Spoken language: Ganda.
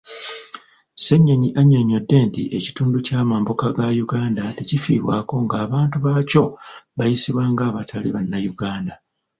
Ssennyonyi annyonnyodde nti ekitundu kyamambuka ga Uganda tekifiibwako ng'abantu baakyo bayisibwa ng'abatali bannayuganda.